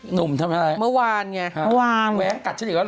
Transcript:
หนุ่มทำอะไรอีกหวานไงแหวนกัดฉันอีกแล้วเหรอ